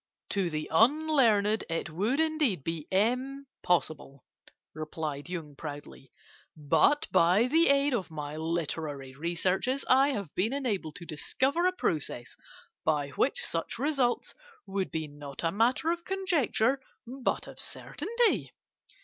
"'To the unlearned it would indeed be impossible,' replied Yung proudly, 'but by the aid of my literary researches I have been enabled to discover a process by which such results would be not a matter of conjecture, but of certainty.